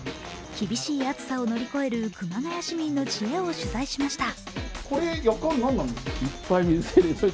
厳しい暑さを乗り越える熊谷市民の知恵を取材しました。